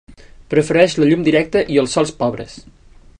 Prefereix la llum directa i els sòls pobres.